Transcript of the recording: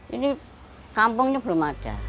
ini kampungnya belum ada